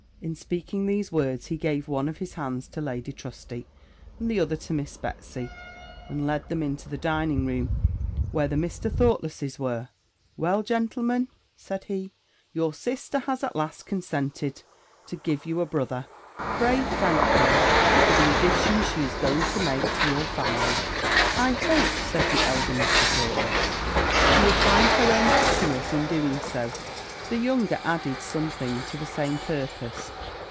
In speaking these words he gave one of his hands to Lady Trusty, and the other to Miss Betsy, and led them into the dining room, where the Mr. Thoughtlesses were: 'Well, gentlemen,' said he, 'your sister has at last consented to give you a brother; pray, thank her for the addition she is going to make to your family.' 'I hope,' said the elder Mr. Thoughtless, 'she will find her own happiness in doing so.' The younger added something to the same purpose.